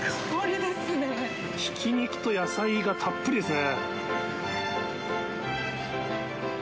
ひき肉と野菜がたっぷりですね。